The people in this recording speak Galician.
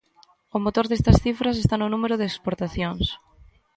O motor destas cifras está no número de exportacións.